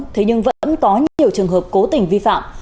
thế nhưng vẫn có nhiều trường hợp cố tình vi phạm